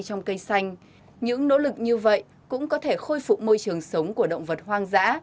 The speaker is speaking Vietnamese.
trong cây xanh những nỗ lực như vậy cũng có thể khôi phục môi trường sống của động vật hoang dã